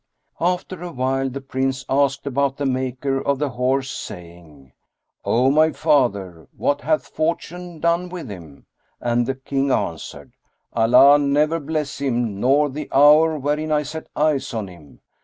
After awhile the Prince asked about the maker of the horse, saying, "O my father, what hath fortune done with him?"; and the King answered, "Allah never bless him nor the hour wherein I set eyes on him!